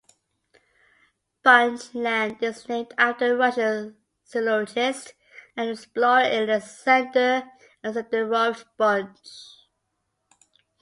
Bunge Land is named after Russian zoologist and explorer Alexander Alexandrovich Bunge.